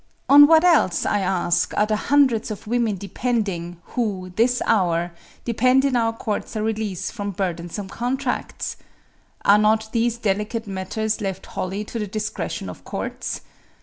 On what else, I ask, are the hundreds of women depending, who, this hour, demand in our courts a release from burdensome contracts? Are not these delicate matters left wholly to the discretion of courts?